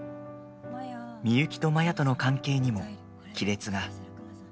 ミユキとマヤとの関係にも亀裂が。